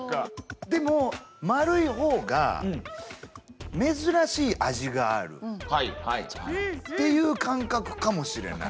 でも丸い方が珍しい味があるっていう感覚かもしれない。